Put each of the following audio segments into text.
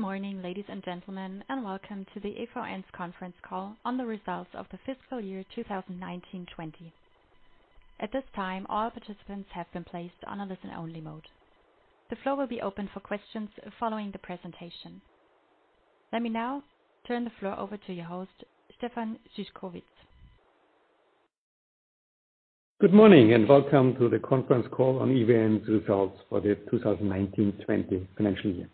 Good morning, ladies and gentlemen, and welcome to the EVN's conference call on the results of the fiscal year 2019/20. At this time, all participants have been placed on a listen-only mode. The floor will be open for questions following the presentation. Let me now turn the floor over to your host, Stefan Szyszkowitz. Good morning and welcome to the conference call on EVN's results for the 2019/2020 financial year.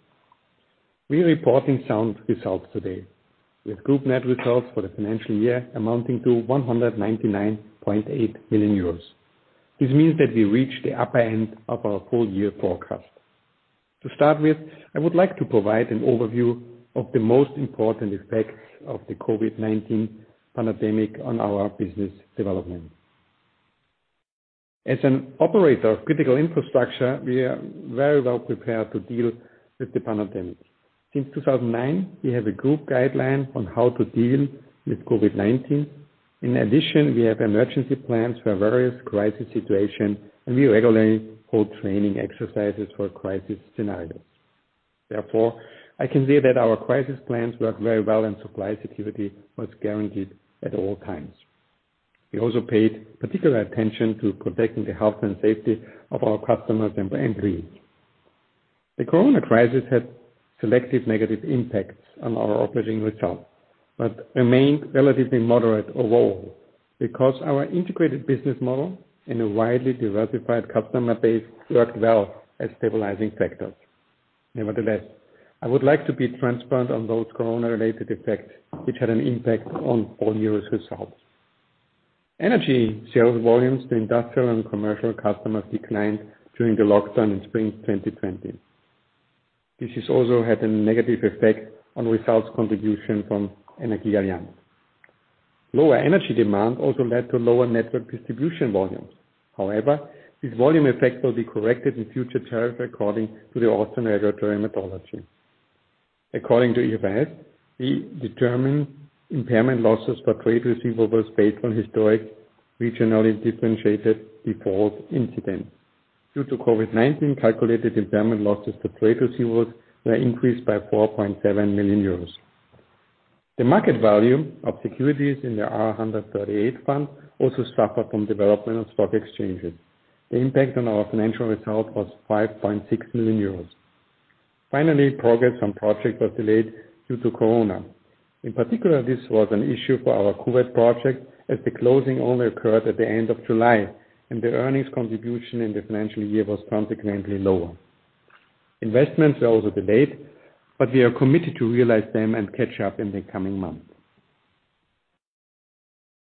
We are reporting sound results today, with group net results for the financial year amounting to 199.8 million euros. This means that we reached the upper end of our full-year forecast. To start with, I would like to provide an overview of the most important effects of the COVID-19 pandemic on our business development. As an operator of critical infrastructure, we are very well prepared to deal with the pandemic. Since 2009, we have a group guideline on how to deal with COVID-19. In addition, we have emergency plans for various crisis situations, and we regularly hold training exercises for crisis scenarios. Therefore, I can say that our crisis plans worked very well, and supply security was guaranteed at all times. We also paid particular attention to protecting the health and safety of our customers and employees. The COVID crisis had selective negative impacts on our operating results, but remained relatively moderate overall because our integrated business model and a widely diversified customer base worked well as stabilizing factors. Nevertheless, I would like to be transparent on those COVID-related effects, which had an impact on full-year results. Energy sales volumes to industrial and commercial customers declined during the lockdown in spring 2020. This has also had a negative effect on results contribution from Energie AG. Lower energy demand also led to lower network distribution volumes. However, this volume effect will be corrected in future tariffs according to the Austrian regulatory methodology. According to EVN, we determine impairment losses for trade receivables based on historic, regionally differentiated default incidents. Due to COVID-19, calculated impairment losses to trade receivables were increased by 4.7 million euros. The market value of securities in the R138 fund also suffered from development of stock exchanges. The impact on our financial results was 5.6 million euros. Finally, progress on projects was delayed due to COVID. In particular, this was an issue for our Kuwait project, as the closing only occurred at the end of July, and the earnings contribution in the financial year was consequently lower. Investments were also delayed, but we are committed to realize them and catch up in the coming months.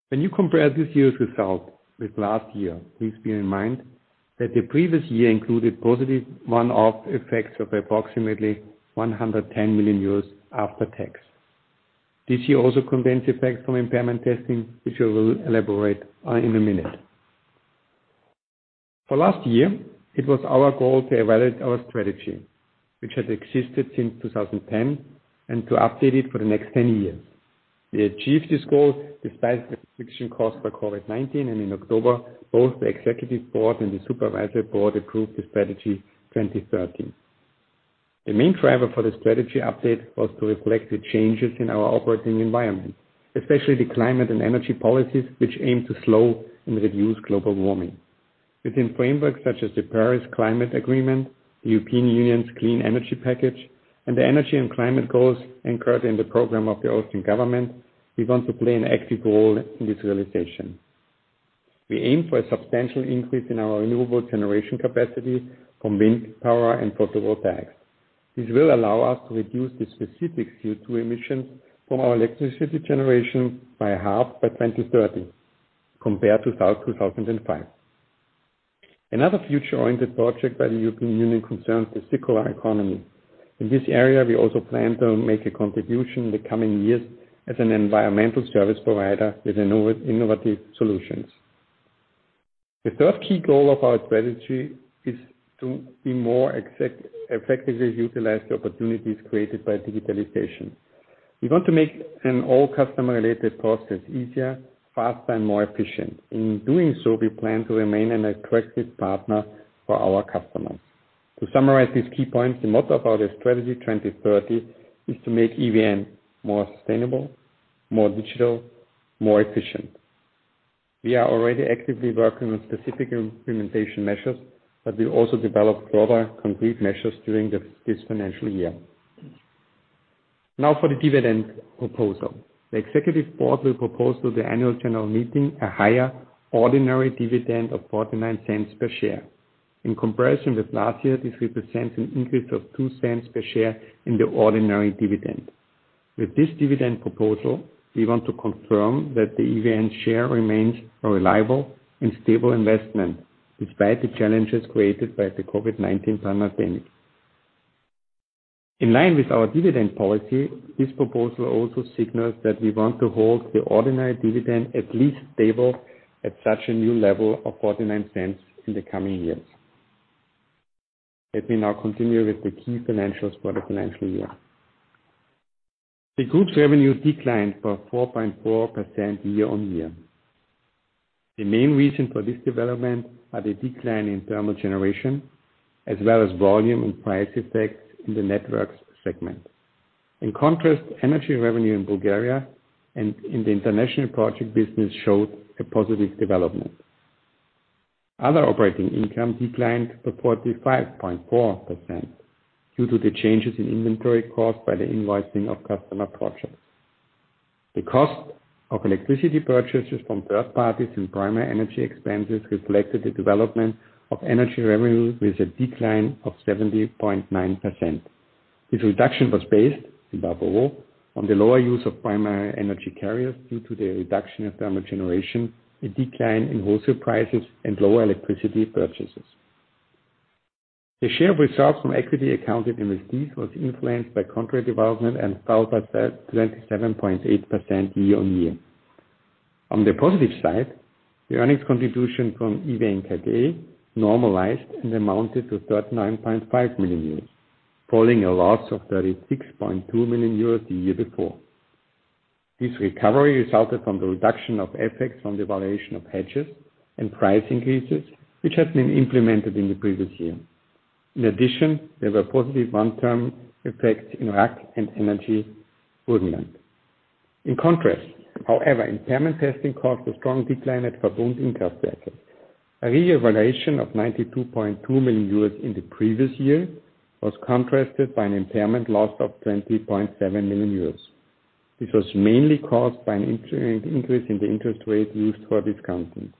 When you compare this year's results with last year, please bear in mind that the previous year included positive one-off effects of approximately 110 million after tax. This year also contains effects from impairment testing, which I will elaborate on in a minute. For last year, it was our goal to evaluate our strategy, which had existed since 2010, and to update it for the next 10 years. We achieved this goal despite the restrictions caused by COVID-19, and in October, both the executive board and the supervisory board approved the strategy 2030. The main driver for the strategy update was to reflect the changes in our operating environment, especially the climate and energy policies, which aim to slow and reduce global warming. Within frameworks such as the Paris Climate Agreement, the European Union's Clean Energy Package, and the energy and climate goals encouraged in the program of the Austrian government, we want to play an active role in this realization. We aim for a substantial increase in our renewable generation capacity from wind power and photovoltaics. This will allow us to reduce the specific CO2 emissions from our electricity generation by half by 2030 compared to 2005. Another future-oriented project by the European Union concerns the circular economy. In this area, we also plan to make a contribution in the coming years as an environmental service provider with innovative solutions. The third key goal of our strategy is to more effectively utilize the opportunities created by digitalization. We want to make all customer-related processes easier, faster, and more efficient. In doing so, we plan to remain an attractive partner for our customers. To summarize these key points, the motto of our strategy 2030 is to make EVN more sustainable, more digital, more efficient. We are already actively working on specific implementation measures, we also developed broader concrete measures during this financial year. Now for the dividend proposal. The executive board will propose to the annual general meeting a higher ordinary dividend of 0.49 per share. In comparison with last year, this represents an increase of 0.02 per share in the ordinary dividend. With this dividend proposal, we want to confirm that the EVN share remains a reliable and stable investment despite the challenges created by the COVID-19 pandemic. In line with our dividend policy, this proposal also signals that we want to hold the ordinary dividend at least stable at such a new level of 0.49 in the coming years. Let me now continue with the key financials for the financial year. The group's revenue declined by 4.4% year-on-year. The main reason for this development are the decline in thermal generation, as well as volume and price effects in the networks segment. In contrast, energy revenue in Bulgaria and in the international project business showed a positive development. Other operating income declined to 45.4% due to the changes in inventory caused by the invoicing of customer projects. The cost of electricity purchases from third parties and primary energy expenses reflected the development of energy revenue with a decline of 70.9%. This reduction was based above all on the lower use of primary energy carriers due to the reduction of thermal generation, a decline in wholesale prices, and lower electricity purchases. The share of results from equity accounted investees was influenced by country development and fell by 37.8% year-on-year. On the positive side, the earnings contribution from EVN KG normalized and amounted to 39.5 million euros, following a loss of 36.2 million euros the year before. This recovery resulted from the reduction of effects from the valuation of hedges and price increases, which had been implemented in the previous year. In addition, there were positive one-term effects in RAG and Energie Burgenland. In contrast, however, impairment testing caused a strong decline at Verbund AG. A revaluation of 92.2 million euros in the previous year was contrasted by an impairment loss of 20.7 million euros. This was mainly caused by an increase in the interest rate used for discounting.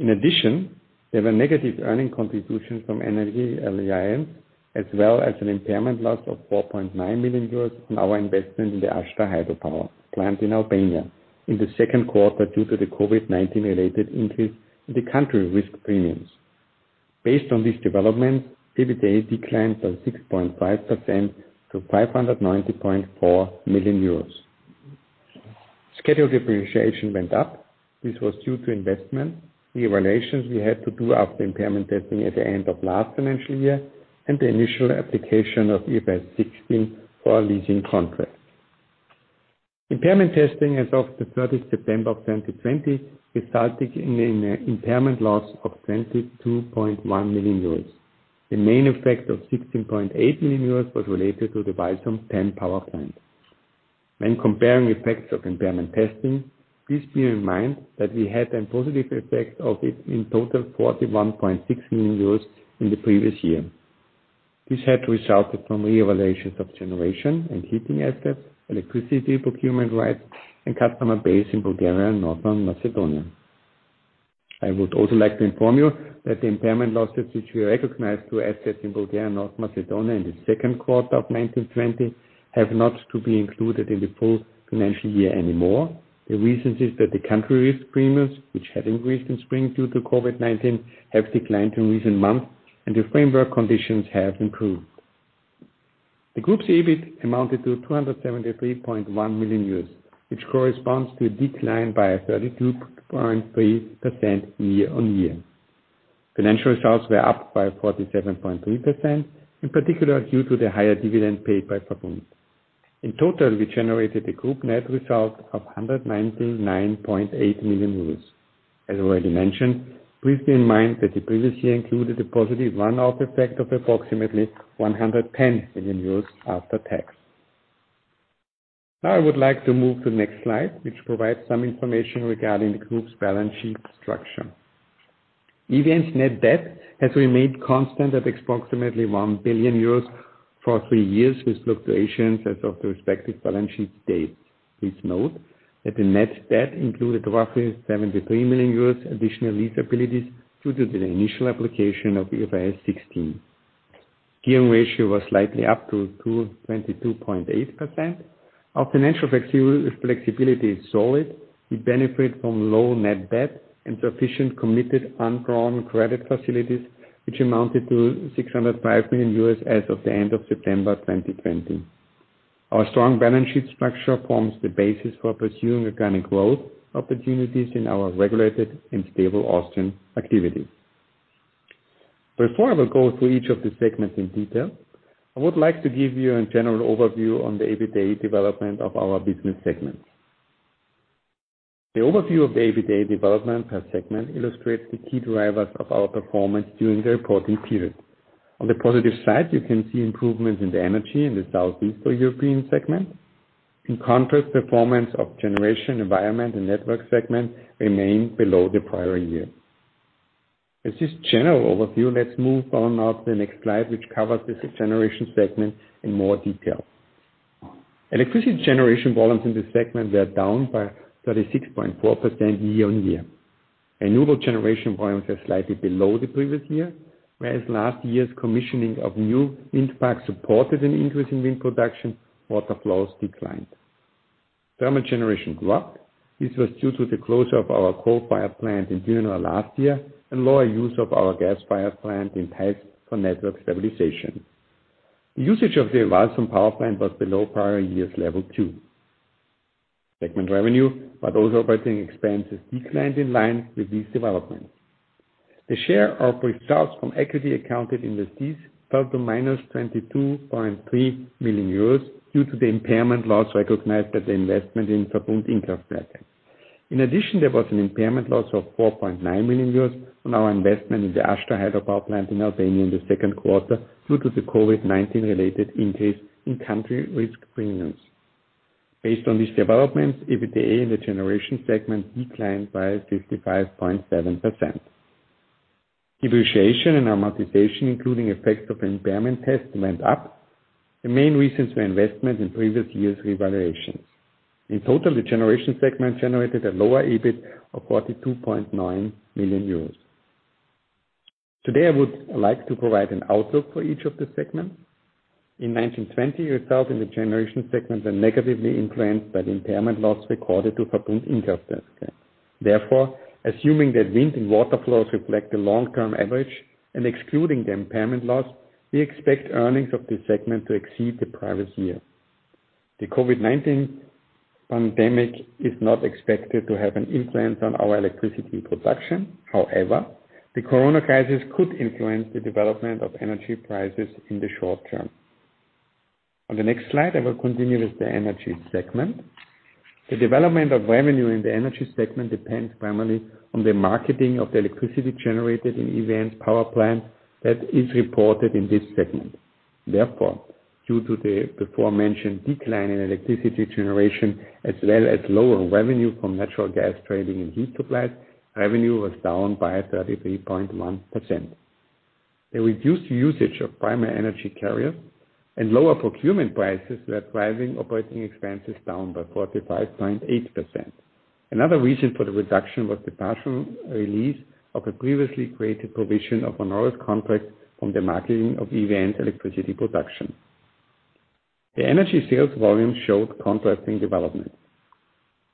In addition, there were negative earning contributions from Energy ALIN, as well as an impairment loss of 4.9 million euros on our investment in the Ashta hydropower plant in Albania in the second quarter due to the COVID-19 related increase in the country risk premiums. Based on this development, EBITDA declined by 6.5% to EUR 590.4 million. Schedule depreciation went up. This was due to investment revaluations we had to do after impairment testing at the end of last financial year and the initial application of IFRS 16 for our leasing contract. Impairment testing as of the 30th September of 2020 resulted in an impairment loss of 22.1 million euros. The main effect of 16.8 million euros was related to the Walsum 10 power plant. When comparing effects of impairment testing, please bear in mind that we had a positive effect of it in total 41.6 million euros in the previous year. This had resulted from reevaluations of generation and heating assets, electricity procurement rights, and customer base in Bulgaria and North Macedonia. I would also like to inform you that the impairment losses, which we recognized through assets in Bulgaria and North Macedonia in the second quarter of 2019/2020, have not to be included in the full financial year anymore. The reason is that the country risk premiums, which had increased in spring due to COVID-19, have declined in recent months and the framework conditions have improved. The group's EBIT amounted to 273.1 million euros, which corresponds to a decline by 32.3% year-on-year. Financial results were up by 47.3%, in particular due to the higher dividend paid by Verbund. In total, we generated a group net result of 199.8 million euros. As already mentioned, please bear in mind that the previous year included a positive one-off effect of approximately 110 million euros after tax. Now I would like to move to the next slide, which provides some information regarding the group's balance sheet structure. EVN's net debt has remained constant at approximately 1 billion euros for three years, with fluctuations as of the respective balance sheet dates. Please note that the net debt included roughly 73 million euros additional lease liabilities due to the initial application of IFRS 16. Gearing ratio was slightly up to 222.8%. Our financial flexibility is solid. We benefit from low net debt and sufficient committed undrawn credit facilities, which amounted to 605 million as of the end of September 2020. Our strong balance sheet structure forms the basis for pursuing organic growth opportunities in our regulated and stable Austrian activities. Before I will go through each of the segments in detail, I would like to give you a general overview on the EBITDA development of our business segments. The overview of the EBITDA development per segment illustrates the key drivers of our performance during the reporting period. On the positive side, you can see improvements in the energy in the Southeast European segment. In contrast, performance of generation, environment, and network segment remain below the prior year. With this general overview, let's move on now to the next slide, which covers the generation segment in more detail. Electricity generation volumes in this segment were down by 36.4% year on year. Renewable generation volumes are slightly below the previous year, whereas last year's commissioning of new wind farms supported an increase in wind production, water flows declined. Thermal generation grew up. This was due to the closure of our coal fire plant in Dürnrohr last year and lower use of our gas fire plant in Theiss for network stabilization. Usage of the Walsum power plant was below prior year's level too. Segment revenue, also operating expenses declined in line with these developments. The share of results from equity accounted investors fell to -22.3 million euros due to the impairment loss recognized at the investment in Verbund Innkraftwerke. In addition, there was an impairment loss of 4.9 million euros on our investment in the Ashta hydropower plant in Albania in the second quarter, due to the COVID-19 related increase in country risk premiums. Based on these developments, EBITDA in the generation segment declined by 55.7%. Depreciation and amortization, including effects of impairment test went up. The main reasons were investment in previous years revaluations. In total, the generation segment generated a lower EBIT of 42.9 million euros. Today, I would like to provide an outlook for each of the segments. In 2019/2020, results in the generation segments were negatively influenced by the impairment loss recorded to Verbund Innkraftwerke. Therefore, assuming that wind and water flows reflect the long-term average and excluding the impairment loss, we expect earnings of this segment to exceed the previous year. The COVID-19 pandemic is not expected to have an influence on our electricity production. However, the corona crisis could influence the development of energy prices in the short term. On the next slide, I will continue with the energy segment. The development of revenue in the energy segment depends primarily on the marketing of the electricity generated in EVN's power plant that is reported in this segment. Therefore, due to the before mentioned decline in electricity generation, as well as lower revenue from natural gas trading and heat supply, revenue was down by 33.1%. The reduced usage of primary energy carriers and lower procurement prices were driving operating expenses down by 45.8%. Another reason for the reduction was the partial release of a previously created provision of an old contract from the marketing of EVN electricity production. The energy sales volume showed contrasting development.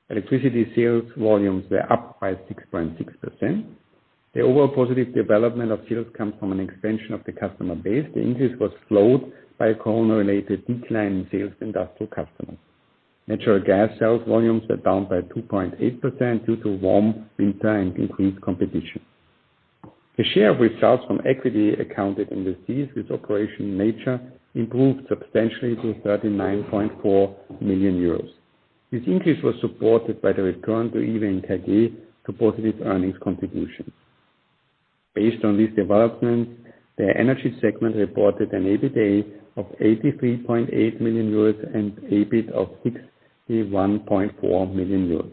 Electricity sales volumes were up by 6.6%. The overall positive development of sales comes from an expansion of the customer base. The increase was slowed by a corona related decline in sales to industrial customers. Natural gas sales volumes were down by 2.8% due to warm winter and increased competition. The share of results from equity accounted investors with operation nature improved substantially to 39.4 million euros. This increase was supported by the return to EVN KG to positive earnings contribution. Based on these developments, the energy segment reported an EBITDA of 83.8 million euros and EBIT of 61.4 million euros.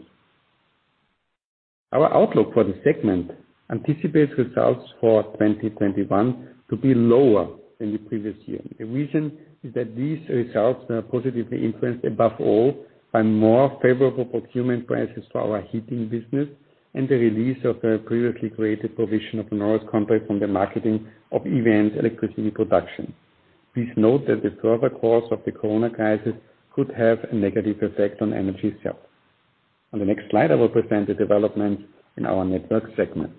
Our outlook for the segment anticipates results for 2021 to be lower than the previous year. The reason is that these results are positively influenced above all by more favorable procurement prices for our heating business and the release of the previously created provision of an old contract from the marketing of EVN electricity production. Please note that the further course of the corona crisis could have a negative effect on energy sales. On the next slide, I will present the developments in our network segment.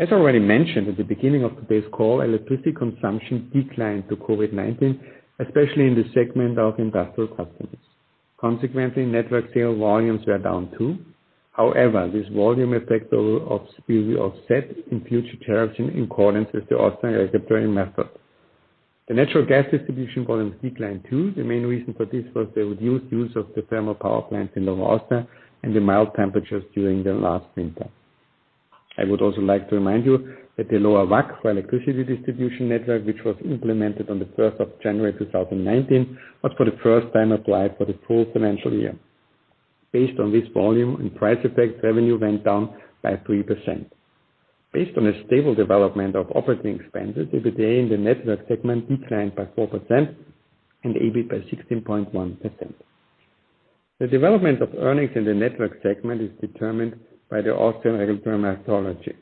As already mentioned at the beginning of today's call, electricity consumption declined to COVID-19, especially in the segment of industrial customers. Consequently, network sale volumes were down too. This volume effect will be offset in future tariffs in accordance with the Austrian regulatory method. The natural gas distribution volumes declined too. The main reason for this was the reduced use of the thermal power plants in Lower Austria and the mild temperatures during the last winter. I would also like to remind you that the lower WACC for electricity distribution network, which was implemented on the 1st of January 2019, was for the first time applied for the full financial year. Based on this volume and price effect, revenue went down by 3%. Based on a stable development of operating expenses, EBITDA in the network segment declined by 4% and EBIT by 16.1%. The development of earnings in the network segment is determined by the Austrian regulatory methodology.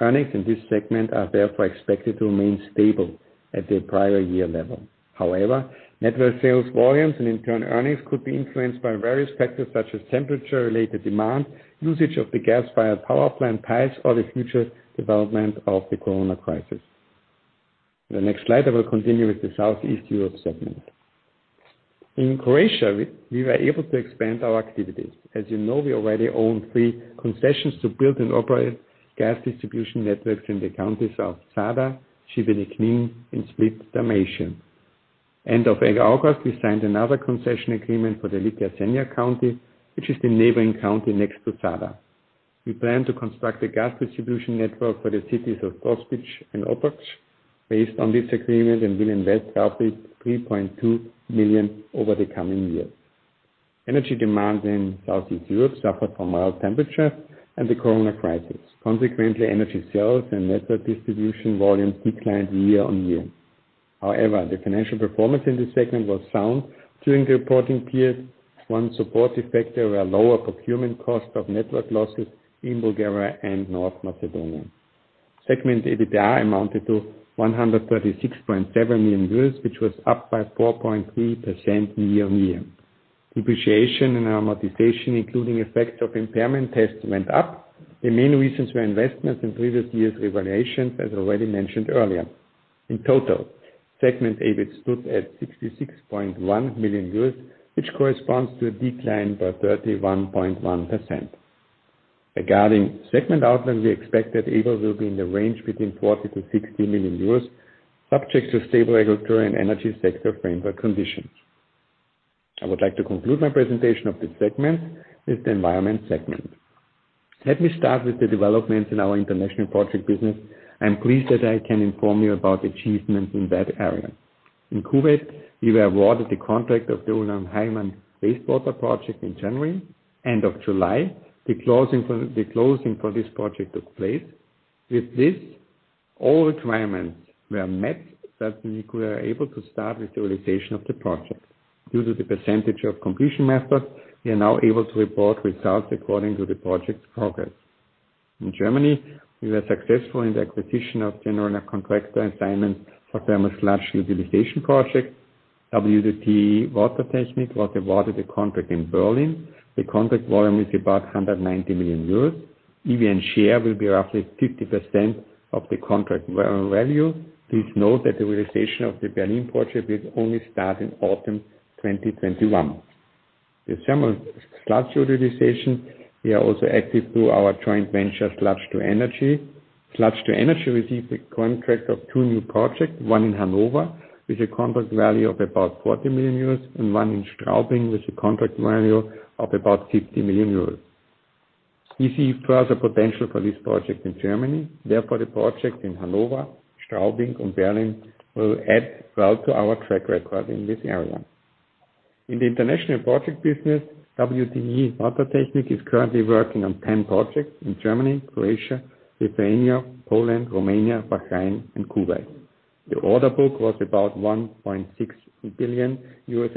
Earnings in this segment are therefore expected to remain stable at the prior year level. However, network sales volumes and in turn earnings could be influenced by various factors such as temperature related demand, usage of the gas via power plant pipes, or the future development of the corona crisis. In the next slide, I will continue with the Southeast Europe segment. In Croatia, we were able to expand our activities. As you know, we already own three concessions to build and operate gas distribution networks in the counties of Zadar, Šibenik, and Split-Dalmatia. End of August, we signed another concession agreement for the Lika-Senj County, which is the neighboring county next to Zadar. We plan to construct a gas distribution network for the cities of Trogir and Opatija. Based on this agreement and will invest roughly 3.2 million over the coming years. Energy demand in Southeast Europe suffered from mild temperatures and the corona crisis. Consequently, energy sales and network distribution volumes declined year-on-year. However, the financial performance in this segment was sound during the reporting period. One supportive factor were lower procurement costs of network losses in Bulgaria and North Macedonia. Segment EBITDA amounted to 136.7 million euros, which was up by 4.3% year-on-year. Depreciation and amortization, including effects of impairment test went up. The main reasons were investments in previous years' revaluations, as already mentioned earlier. In total, segment EBIT stood at 66.1 million, which corresponds to a decline by 31.1%. Regarding segment outlook, we expect that EBIT will be in the range between 40 million-60 million euros, subject to stable regulatory and energy sector framework conditions. I would like to conclude my presentation of this segment with the environment segment. Let me start with the developments in our international project business. I am pleased that I can inform you about achievements in that area. In Kuwait, we were awarded the contract of the Umm Al-Hayman wastewater project in January. End of July, the closing for this project took place. With this, all requirements were met that we were able to start with the realization of the project. Due to the percentage of completion method, we are now able to report results according to the project's progress. In Germany, we were successful in the acquisition of general contractor assignment for thermal sludge utilization project. WTE Water Technology was awarded a contract in Berlin. The contract volume is about 190 million euros. EVN's share will be roughly 50% of the contract value. Please note that the realization of the Berlin project will only start in autumn 2021. The thermal sludge utilization, we are also active through our joint venture, Sludge2Energy. Sludge2Energy received the contract of two new projects, one in Hanover with a contract value of about 40 million euros, and one in Straubing with a contract value of about 50 million euros. We see further potential for this project in Germany. Therefore, the project in Hanover, Straubing, and Berlin will add well to our track record in this area. In the international project business, WTE Water Technology is currently working on 10 projects in Germany, Croatia, Lithuania, Poland, Romania, Bahrain, and Kuwait. The order book was about 1.6 billion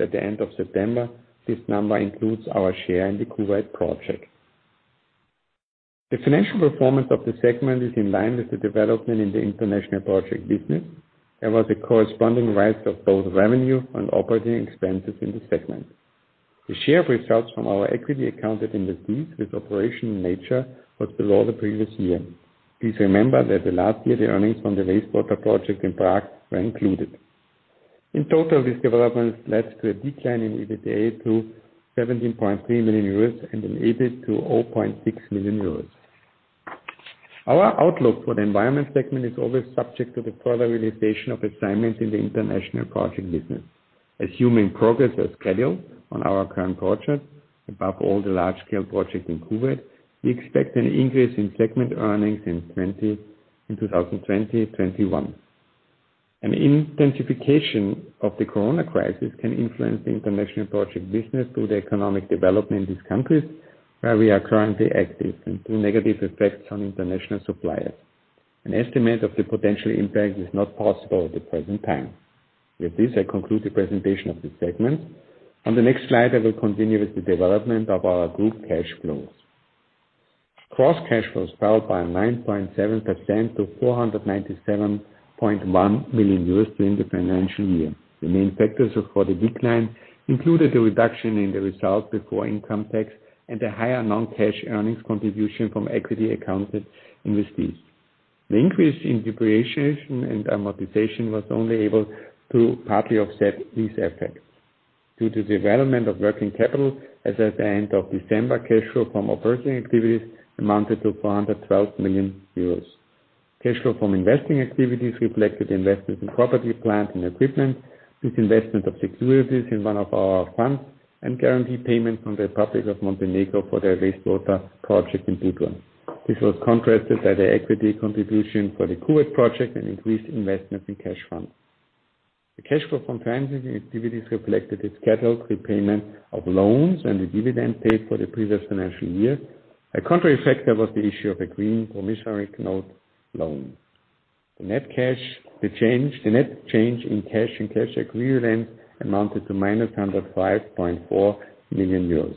at the end of September. This number includes our share in the Kuwait project. The financial performance of the segment is in line with the development in the international project business. There was a corresponding rise of both revenue and operating expenses in this segment. The share of results from our equity accounted investees with operation nature was below the previous year. Please remember that the last year the earnings from the wastewater project in Prague were included. In total, this development led to a decline in EBITDA to 17.3 million euros and an EBIT to 0.6 million euros. Our outlook for the environment segment is always subject to the further realization of assignments in the international project business. Assuming progress as scheduled on our current projects, above all the large-scale project in Kuwait, we expect an increase in segment earnings in 2020/21. An intensification of the Corona crisis can influence the international project business through the economic development in these countries where we are currently active and through negative effects on international suppliers. An estimate of the potential impact is not possible at the present time. With this, I conclude the presentation of this segment. On the next slide, I will continue with the development of our group cash flows. Gross cash flows fell by 9.7% to 497.1 million euros during the financial year. The main factors for the decline included a reduction in the results before income tax and a higher non-cash earnings contribution from equity accounted investees. The increase in depreciation and amortization was only able to partly offset these effects. Due to the development of working capital, as at the end of December, cash flow from operating activities amounted to 412 million euros. Cash flow from investing activities reflected investments in property, plant, and equipment with investment of securities in one of our funds and guaranteed payments from the Republic of Montenegro for their wastewater project in Budva. This was contrasted by the equity contribution for the Kuwait project and increased investments in cash funds. The cash flow from financing activities reflected its scheduled repayment of loans and the dividend paid for the previous financial year. A contrary factor was the issue of a green promissory note loan. The net change in cash and cash equivalents amounted to -105.4 million euros.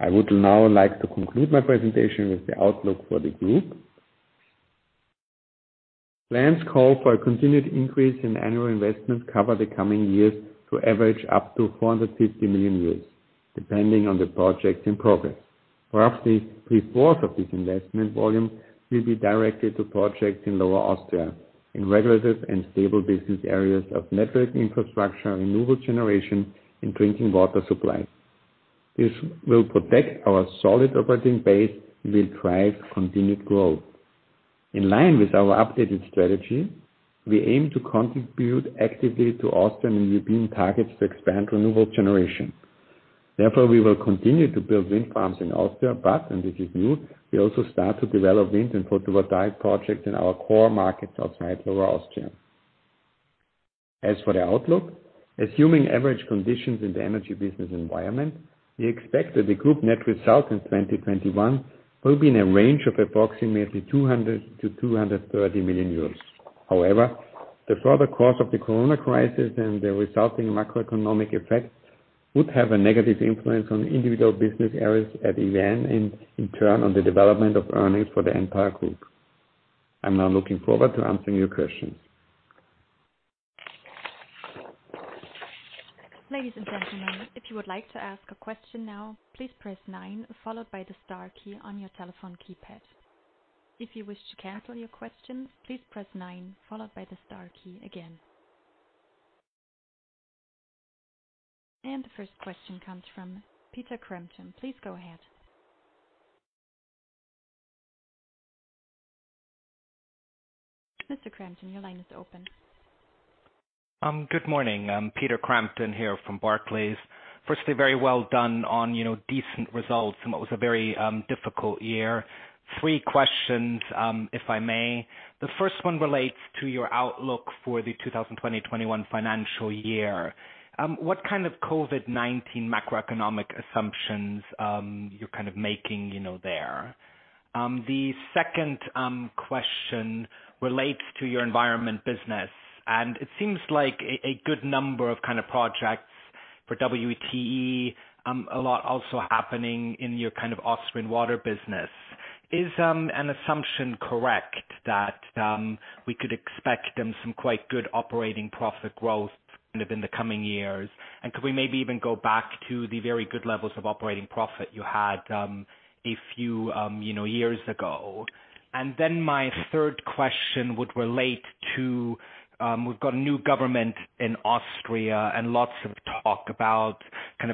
I would now like to conclude my presentation with the outlook for the group. Plans call for a continued increase in annual investments cover the coming years to average up to 450 million, depending on the projects in progress. Roughly 3/4 of this investment volume will be directed to projects in Lower Austria in regulative and stable business areas of network infrastructure, renewable generation, and drinking water supply. This will protect our solid operating base and will drive continued growth. In line with our updated strategy, we aim to contribute actively to Austrian and European targets to expand renewable generation. We will continue to build wind farms in Austria, but, and this is new, we also start to develop wind and photovoltaic projects in our core markets outside Lower Austria. As for the outlook, assuming average conditions in the energy business environment, we expect that the group net result in 2021 will be in a range of approximately 200 million-230 million euros. However, the further course of the Corona crisis and the resulting macroeconomic effects would have a negative influence on individual business areas at EVN and in turn on the development of earnings for the entire group. I'm now looking forward to answering your questions. Ladies and gentlemen, if you would like to ask a question now please press nine followed by the star key on your telephone keypad. If you wish to cut on your question press nine followed by the star again. First question comes from Peter Crampton. Please go ahead. Mr. Crampton, your line is open. Good morning. Peter Crampton here from Barclays. Very well done on decent results in what was a very difficult year. Three questions, if I may. The first one relates to your outlook for the 2020, 2021 financial year. What kind of COVID-19 macroeconomic assumptions you're making there? The second question relates to your environment business, and it seems like a good number of projects for WTE, a lot also happening in your Austrian water business. Is an assumption correct that we could expect some quite good operating profit growth in the coming years? Could we maybe even go back to the very good levels of operating profit you had a few years ago? My third question would relate to, we've got a new government in Austria and lots of talk about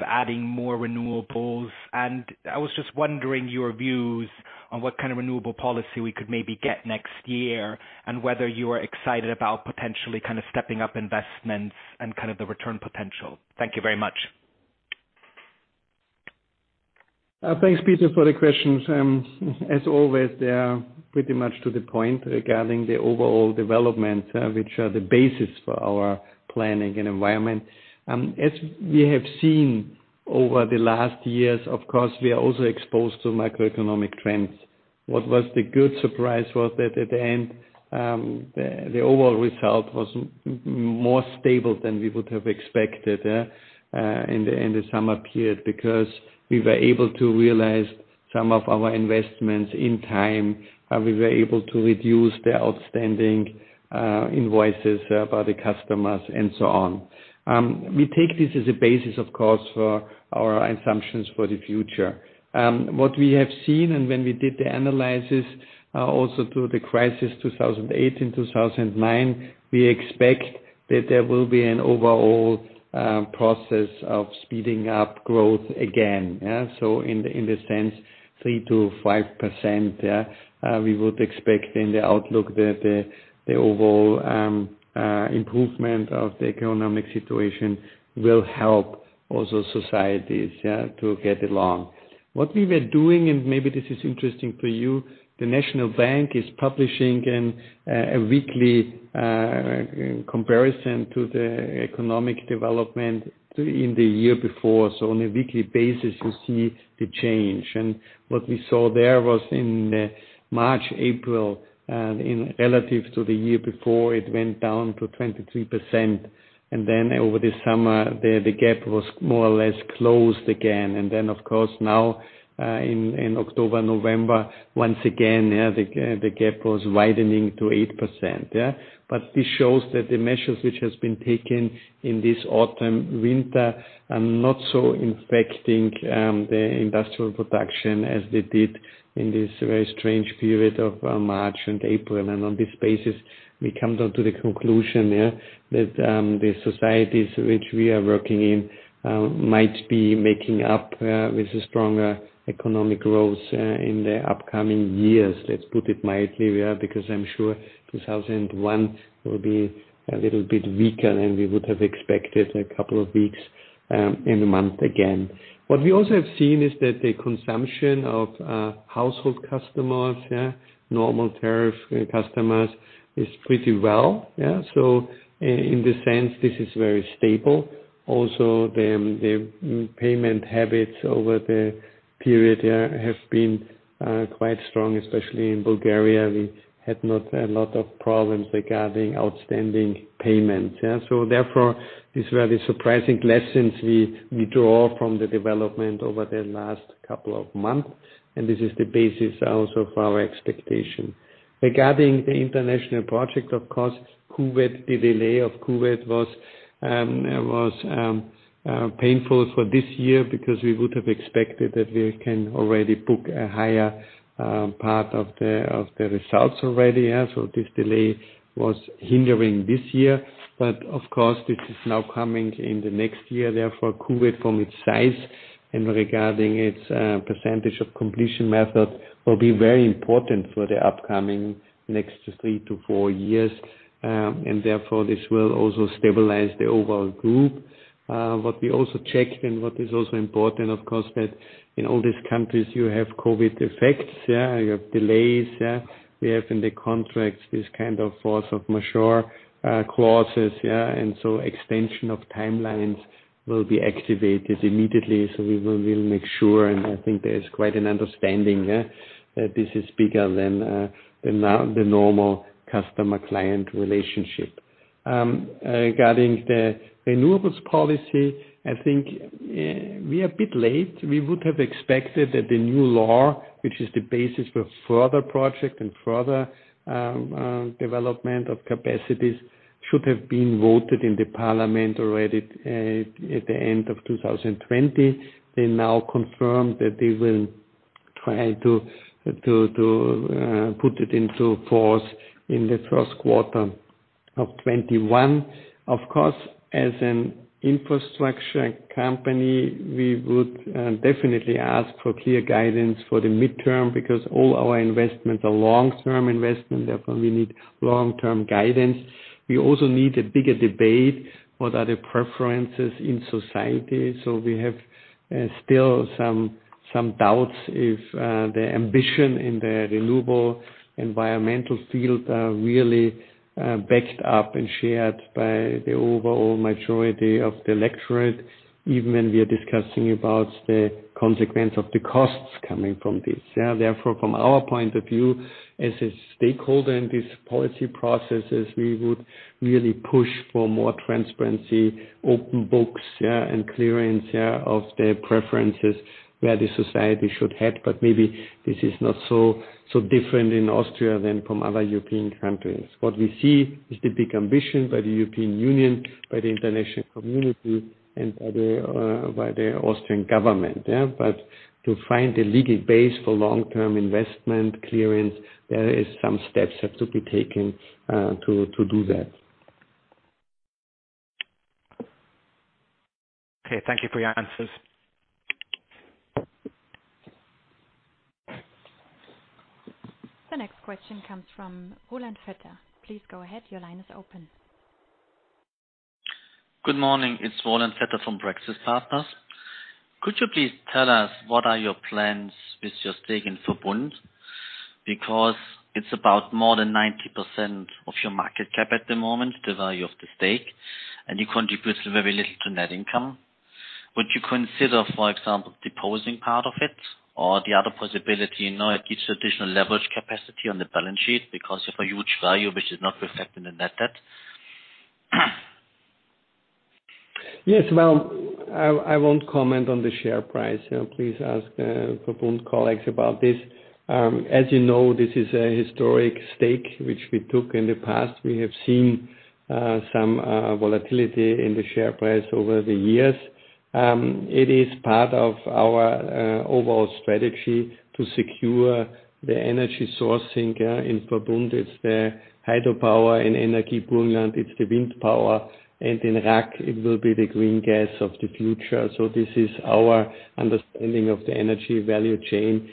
adding more renewables. I was just wondering your views on what kind of renewable policy we could maybe get next year. Whether you are excited about potentially stepping up investments and the return potential. Thank you very much. Thanks, Peter, for the questions. As always, they are pretty much to the point regarding the overall development, which are the basis for our planning and environment. As we have seen over the last years, of course, we are also exposed to macroeconomic trends. What was the good surprise was that at the end, the overall result was more stable than we would have expected in the summer period because we were able to realize some of our investments in time, and we were able to reduce the outstanding invoices by the customers and so on. We take this as a basis, of course, for our assumptions for the future. What we have seen and when we did the analysis, also through the crisis 2008 and 2009, we expect that there will be an overall process of speeding up growth again. In the sense 3%-5%, we would expect in the outlook that the overall improvement of the economic situation will help also societies to get along. What we were doing, and maybe this is interesting for you, the Oesterreichische Nationalbank is publishing a weekly comparison to the economic development in the year before. On a weekly basis, you see the change. What we saw there was in March, April, in relative to the year before, it went down to 23%. Over the summer, the gap was more or less closed again. Of course now, in October, November, once again, the gap was widening to 8%. This shows that the measures which has been taken in this autumn, winter, are not so affecting the industrial production as they did in this very strange period of March and April. On this basis, we come down to the conclusion that the societies which we are working in might be making up with a stronger economic growth in the upcoming years. Let's put it mildly, because I'm sure 2001 will be a little bit weaker than we would have expected a couple of weeks and month again. What we also have seen is that the consumption of household customers, normal tariff customers, is pretty well. In this sense, this is very stable. Also, the payment habits over the period have been quite strong, especially in Bulgaria. We had not a lot of problems regarding outstanding payments. Therefore, these were the surprising lessons we draw from the development over the last couple of months, and this is the basis also for our expectation. Regarding the international project, of course, the delay of Kuwait was painful for this year because we would have expected that we can already book a higher part of the results already. This delay was hindering this year. Of course, this is now coming in the next year. Therefore, Kuwait from its size and regarding its percentage of completion method will be very important for the upcoming next three to four years. Therefore, this will also stabilize the overall group. What we also checked and what is also important, of course, that in all these countries you have COVID-19 effects. You have delays. We have in the contracts, this kind of force majeure clauses. Yeah, extension of timelines will be activated immediately. We will make sure, and I think there is quite an understanding, that this is bigger than the normal customer-client relationship. Regarding the renewables policy, I think we are a bit late. We would have expected that the new law, which is the basis for further project and further development of capacities, should have been voted in the parliament already at the end of 2020. They now confirm that they will try to put it into force in the first quarter of 2021. Of course, as an infrastructure company, we would definitely ask for clear guidance for the midterm because all our investments are long-term investment, therefore we need long-term guidance. We also need a bigger debate, what are the preferences in society? We have still some doubts if the ambition in the renewable environmental field are really backed up and shared by the overall majority of the electorate, even when we are discussing about the consequence of the costs coming from this. Therefore, from our point of view, as a stakeholder in these policy processes, we would really push for more transparency, open books, and clearance of the preferences where the society should head. Maybe this is not so different in Austria than from other European countries. What we see is the big ambition by the European Union, by the international community, and by the Austrian government. To find a legal base for long-term investment clearance, there is some steps have to be taken to do that. Okay. Thank you for your answers. The next question comes from Roland Vetter. Please go ahead. Your line is open. Good morning. It is Roland Vetter from Praxis Partners. Could you please tell us what are your plans with your stake in Verbund? Because it is about more than 90% of your market cap at the moment, the value of the stake, and it contributes very little to net income. Would you consider, for example, disposing part of it or the other possibility, it gives additional leverage capacity on the balance sheet because of a huge value which is not reflected in the net debt? Yes, well, I won't comment on the share price. Please ask Verbund colleagues about this. As you know, this is a historic stake which we took in the past. We have seen some volatility in the share price over the years. It is part of our overall strategy to secure the energy sourcing. In Verbund, it's the hydropower. In Energie Burgenland, it's the wind power, and in RAG, it will be the green gas of the future. This is our understanding of the energy value chain.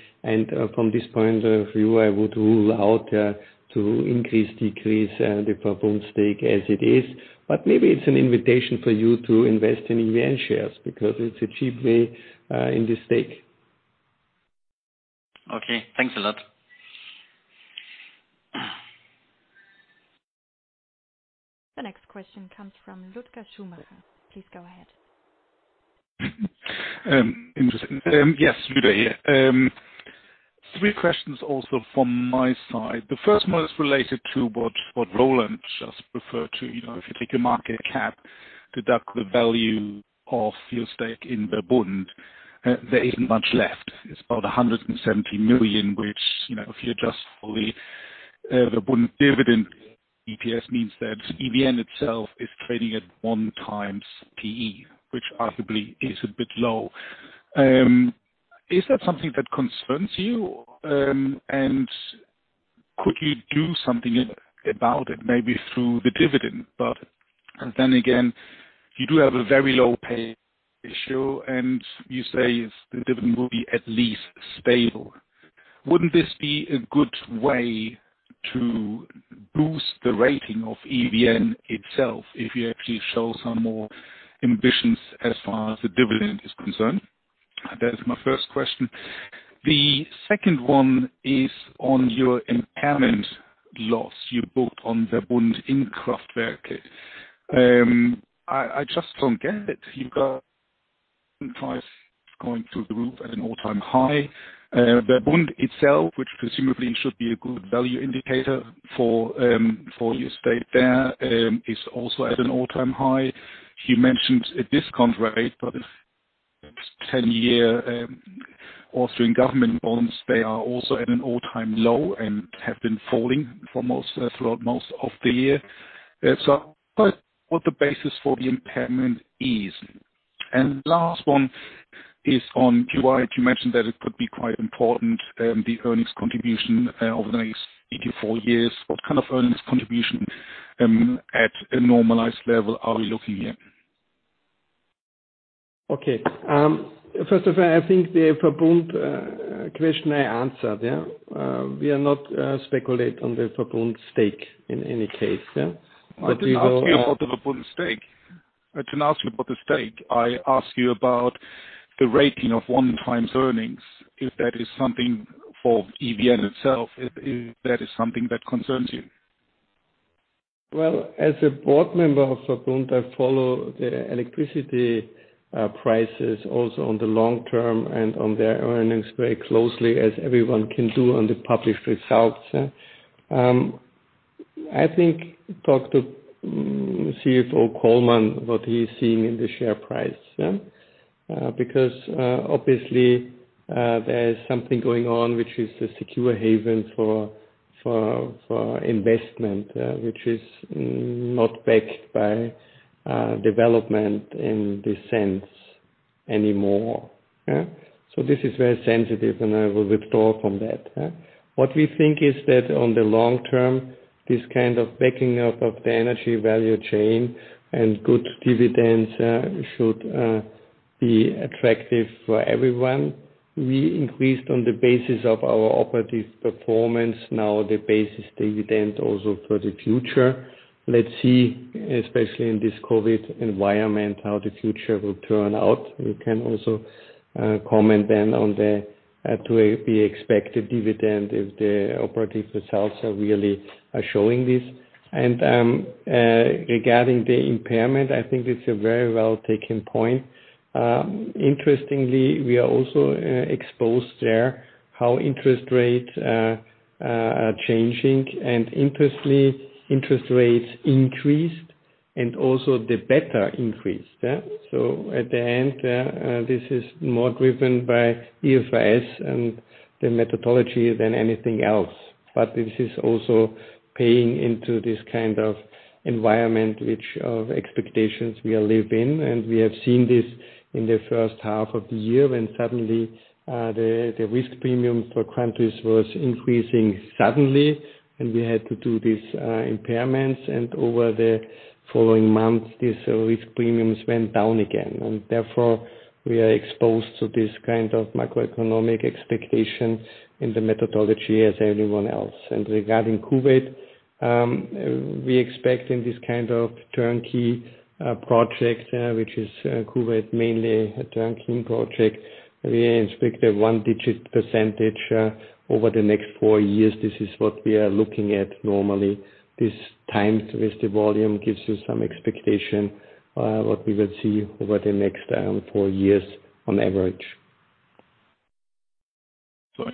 From this point of view, I would rule out to increase, decrease the Verbund stake as it is. Maybe it's an invitation for you to invest in EVN shares because it's a cheap way in this stake. Okay. Thanks a lot. The next question comes from Lueder Schumacher. Please go ahead. Interesting. Yes, Lueder here. Three questions also from my side. The first one is related to what Roland just referred to. If you take your market cap, deduct the value of your stake in Verbund, there isn't much left. It's about 170 million, which, if you adjust for the Verbund dividend, EPS means that EVN itself is trading at one times PE, which arguably is a bit low. Is that something that concerns you? Could you do something about it, maybe through the dividend? You do have a very low pay issue, and you say the dividend will be at least stable. Wouldn't this be a good way to boost the rating of EVN itself if you actually show some more ambitions as far as the dividend is concerned? That is my first question. The second one is on your impairment loss you booked on Verbund Innkraftwerke. I just don't get it. You've got price going through the roof at an all-time high. Verbund itself, which presumably should be a good value indicator for your stake there, is also at an all-time high. You mentioned a discount rate, but if 10-year Austrian government bonds, they are also at an all-time low and have been falling throughout most of the year. I don't know what the basis for the impairment is. Last one is on Umm Al-Hayman. You mentioned that it could be quite important, the earnings contribution over the next 84 years. What kind of earnings contribution at a normalized level are we looking here? Okay. First of all, I think the Verbund question I answered, yeah. We are not speculate on the Verbund stake in any case, yeah. We will- I didn't ask you about the Verbund stake. I didn't ask you about the stake. I asked you about the rating of one times earnings. If that is something for EVN itself, if that is something that concerns you. Well, as a board member of Verbund, I follow the electricity prices also on the long term and on their earnings very closely as everyone can do on the published results. I think talk to CFO Coleman what he's seeing in the share price. Yeah. Obviously, there is something going on, which is the secure haven for investment, which is not backed by development in this sense anymore. This is very sensitive and I will withdraw from that. What we think is that on the long term, this kind of backing up of the energy value chain and good dividends should be attractive for everyone. We increased on the basis of our operative performance, now the base is dividend also for the future. Let's see, especially in this COVID environment, how the future will turn out. We can also comment then on the to be expected dividend if the operative results are really showing this. Regarding the impairment, I think it's a very well-taken point. Interestingly, we are also exposed there, how interest rates are changing, and interestingly, interest rates increased and also the beta increased. At the end, this is more driven by EFS and the methodology than anything else. This is also paying into this kind of environment which of expectations we live in. We have seen this in the first half of the year when suddenly, the risk premium for countries was increasing suddenly and we had to do these impairments. Over the following months, these risk premiums went down again. Therefore, we are exposed to this kind of macroeconomic expectation in the methodology as everyone else. Regarding Kuwait, we expect in this kind of turnkey project, which is Kuwait mainly a turnkey project, a low single-digit percentage over the next four years. This is what we are looking at normally. This time twist volume gives you some expectation, what we will see over the next four years on average.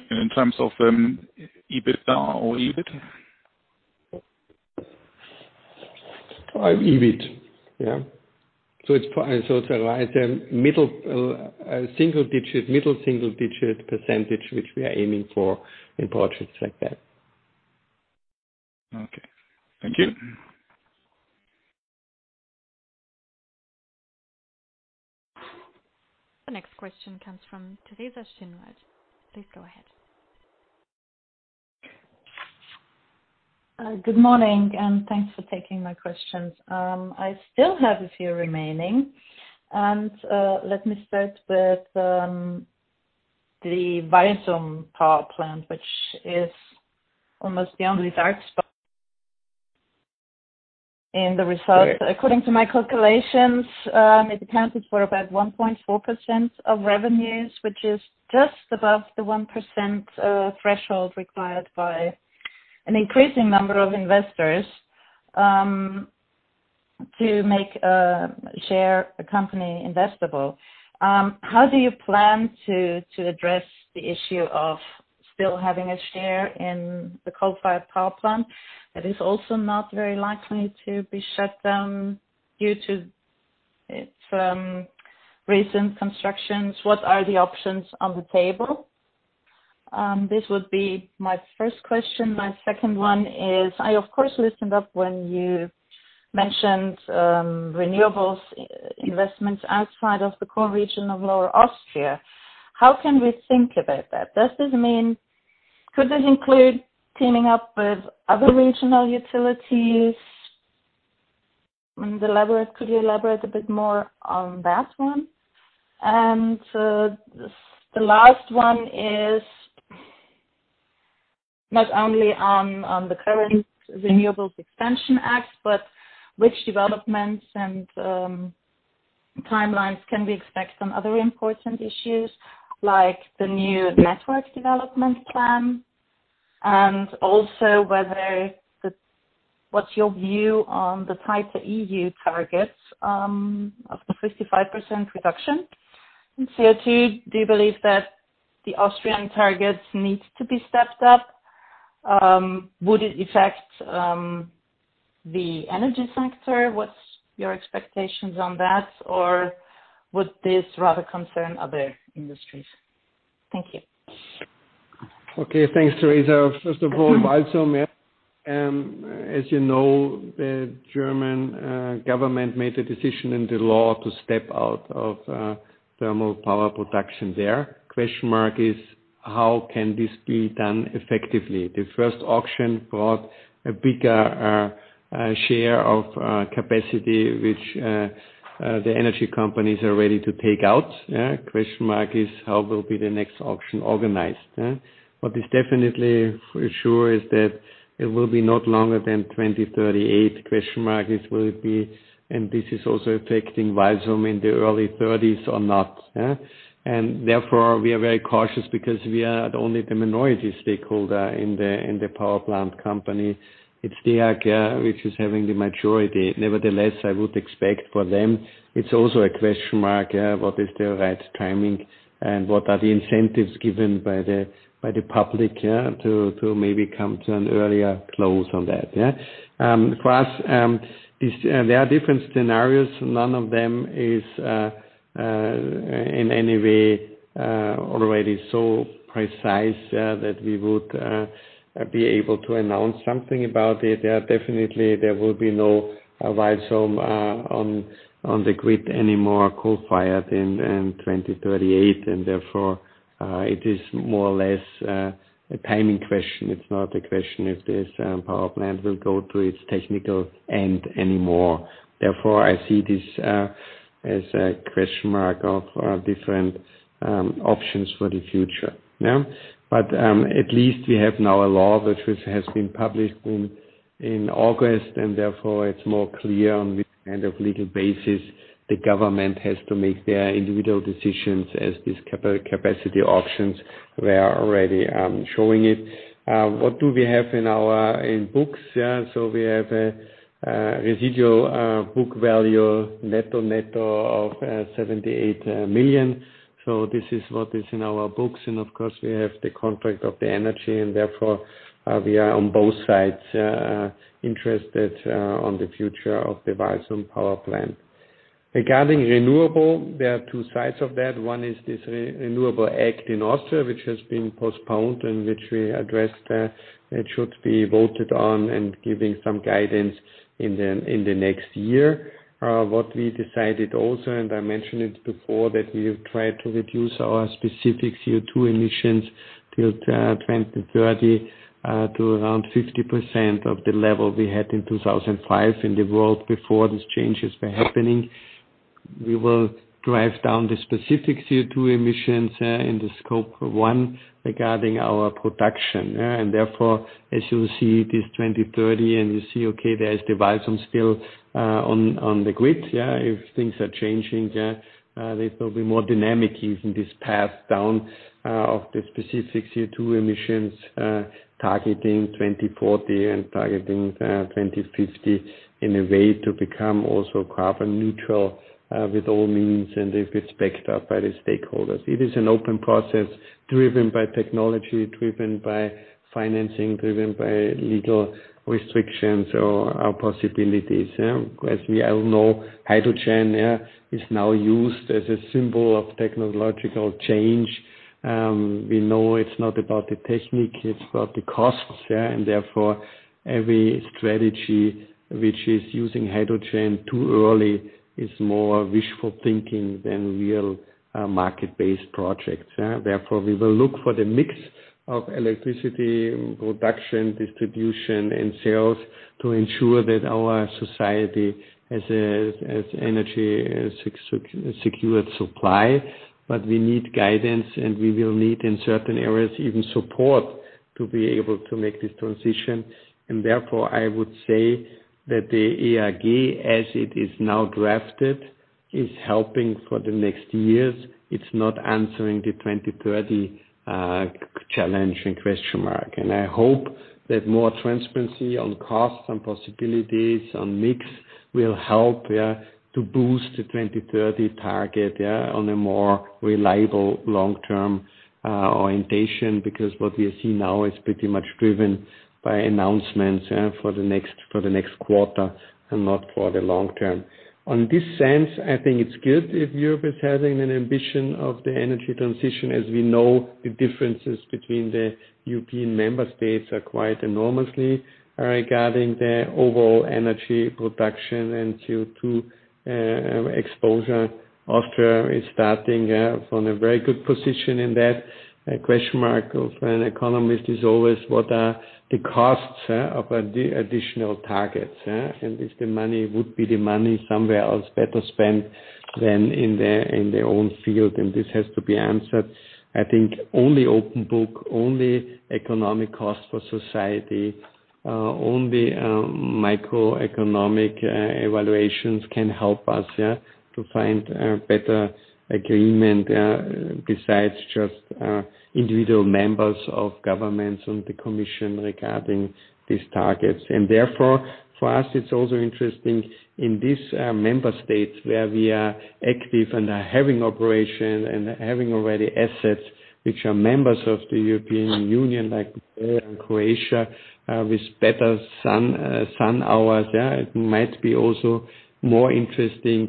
In terms of EBITDA or EBIT? EBIT. It's a single-digit, middle single-digit percentage, which we are aiming for in projects like that. Okay. Thank you. The next question comes from Theresa Schönwiese. Please go ahead. Good morning, thanks for taking my questions. I still have a few remaining. Let me start with the Walsum power plant, which is almost the only dark spot in the results. According to my calculations, it accounted for about 1.4% of revenues, which is just above the 1% threshold required by an increasing number of investors, to make a share a company investable. How do you plan to address the issue of still having a share in the coal-fired power plant that is also not very likely to be shut down due to its recent constructions? What are the options on the table? This would be my first question. My second one is, I of course listened up when you mentioned renewables investments outside of the core region of Lower Austria. How can we think about that? Could this include teaming up with other regional utilities? Could you elaborate a bit more on that one? The last one is not only on the current Renewables Expansion Act, but which developments and timelines can we expect on other important issues like the new network development plan, and also what's your view on the tighter EU targets of the 55% reduction in CO2? Do you believe that the Austrian targets need to be stepped up? Would it affect the energy sector? What's your expectations on that? Would this rather concern other industries? Thank you. Okay. Thanks, Theresa. First of all, Walsum. As you know, the German government made a decision in the law to step out of thermal power production there. Question mark is, how can this be done effectively? The first auction brought a bigger share of capacity, which the energy companies are ready to take out. Question mark is how will be the next auction organized? What is definitely for sure is that it will be not longer than 2038. Question mark is, will it be, and this is also affecting Walsum in the early '30s or not? Therefore, we are very cautious because we are only the minority stakeholder in the power plant company. It's STEAG which is having the majority. Nevertheless, I would expect for them, it's also a question mark, what is the right timing and what are the incentives given by the public to maybe come to an earlier close on that. For us, there are different scenarios. None of them is in any way already so precise that we would be able to announce something about it. Definitely, there will be no Walsum on the grid anymore, coal-fired in 2038, and therefore, it is more or less a timing question. It's not a question if this power plant will go to its technical end anymore. Therefore, I see this as a question mark of different options for the future. At least we have now a law which has been published in August, and therefore it's more clear on which kind of legal basis the government has to make their individual decisions as these capacity options were already showing it. What do we have in books? We have a residual book value net of 78 million. This is what is in our books, and of course, we have the contract of the energy, and therefore, we are on both sides interested on the future of the Walsum power plant. Regarding renewable, there are two sides of that. One is this Renewable Act in Austria, which has been postponed and which we addressed. It should be voted on and giving some guidance in the next year. What we decided also, and I mentioned it before, that we will try to reduce our specific CO2 emissions till 2030, to around 50% of the level we had in 2005 in the world before these changes were happening. We will drive down the specific CO2 emissions in the scope one regarding our production. Therefore, as you see this 2030 and you see, okay, there is the Walsum still on the grid. If things are changing, there will be more dynamic use in this path down of the specific CO2 emissions, targeting 2040 and targeting 2050 in a way to become also carbon neutral, with all means, and if it's backed up by the stakeholders. It is an open process driven by technology, driven by financing, driven by legal restrictions or possibilities. As we all know, hydrogen is now used as a symbol of technological change. We know it's not about the technique, it's about the costs. Therefore, every strategy which is using hydrogen too early is more wishful thinking than real market-based projects. Therefore, we will look for the mix of electricity production, distribution, and sales to ensure that our society has energy secured supply. We need guidance, and we will need, in certain areas, even support to be able to make this transition. Therefore, I would say that the EAG, as it is now drafted, is helping for the next years. It's not answering the 2030 challenge and question mark. I hope that more transparency on costs and possibilities on mix will help to boost the 2030 target on a more reliable long-term orientation, because what we see now is pretty much driven by announcements for the next quarter and not for the long term. In this sense, I think it's good if Europe is having an ambition of the energy transition. As we know, the differences between the European member states are quite enormous regarding their overall energy production and CO2 exposure. Austria is starting from a very good position in that. A question mark of an economist is always what are the costs of the additional targets? If the money would be the money somewhere else better spent than in their own field, and this has to be answered. I think only open-book, only economic cost for society, only microeconomic evaluations can help us to find a better agreement, besides just individual members of governments on the Commission regarding these targets. Therefore, for us, it's also interesting in these member states where we are active and are having operation and having already assets which are members of the European Union, like Bulgaria and Croatia, with better sun hours. It might be also more interesting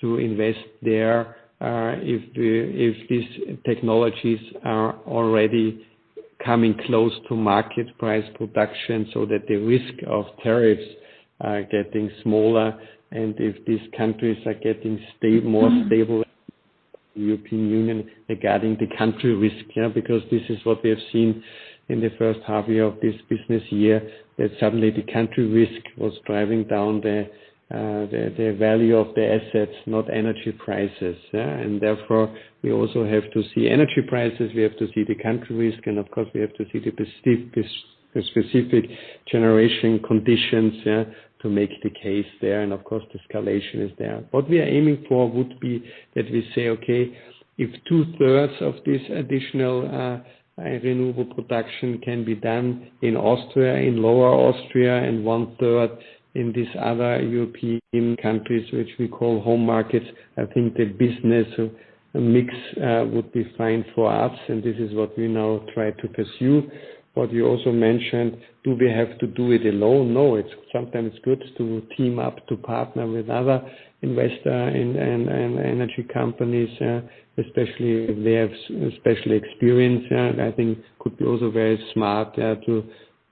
to invest there if these technologies are already coming close to market price production so that the risk of tariffs are getting smaller, and if these countries are getting more stable, The European Union regarding the country risk, because this is what we have seen in the first half year of this business year, that suddenly the country risk was driving down the value of the assets, not energy prices. Therefore, we also have to see energy prices, we have to see the country risk, and of course, we have to see the specific generation conditions to make the case there. Of course, the escalation is there. What we are aiming for would be that we say, okay, if two-thirds of this additional renewable production can be done in Austria, in Lower Austria, and one-third in these other European countries, which we call home markets, I think the business mix would be fine for us, and this is what we now try to pursue. You also mentioned, do we have to do it alone? No, sometimes it's good to team up, to partner with other investors and energy companies, especially if they have special experience. I think could be also very smart to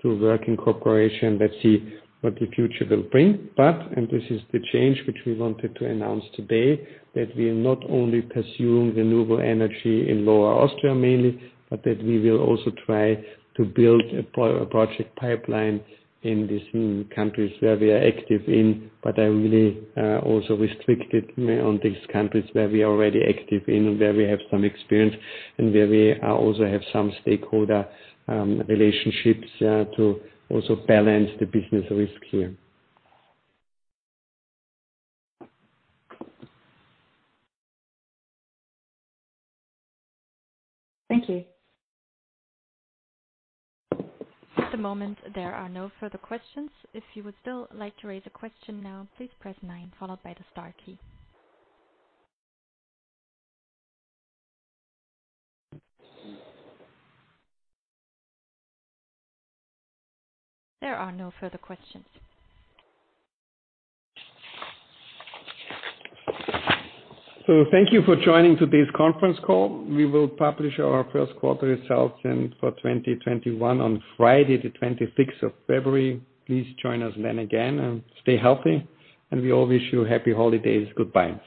work in cooperation. Let's see what the future will bring. This is the change which we wanted to announce today, that we are not only pursuing renewable energy in Lower Austria mainly, but that we will also try to build a project pipeline in these new countries where we are active in, but are really also restricted on these countries where we are already active in and where we have some experience and where we also have some stakeholder relationships to also balance the business risk here. Thank you. At the moment, there are no further questions. If you would still like to raise a question now, please press nine followed by the star key. There are no further questions. Thank you for joining today's conference call. We will publish our first quarter results in for 2021 on Friday, the 26th of February. Please join us then again and stay healthy. We all wish you happy holidays. Goodbye.